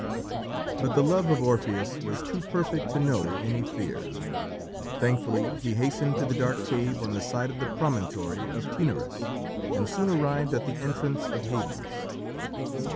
But the love of Orpheus was too perfect to know any fear; thankfully he hastened to the dark cave on the side of the promontory of Taenarus, and soon arrived at the entrance of Hades.